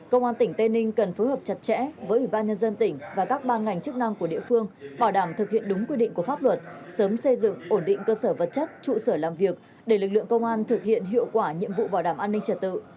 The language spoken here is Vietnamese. công an tỉnh tây ninh cần phối hợp chặt chẽ với ủy ban nhân dân tỉnh và các ban ngành chức năng của địa phương bảo đảm thực hiện đúng quy định của pháp luật sớm xây dựng ổn định cơ sở vật chất trụ sở làm việc để lực lượng công an thực hiện hiệu quả nhiệm vụ bảo đảm an ninh trật tự